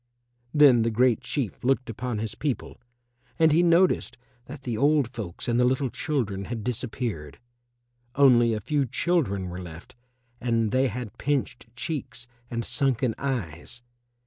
Then the Great Chief looked upon his people and he noticed that the old folks and the little children had disappeared; only a few children were left and they had pinched cheeks and sunken eyes.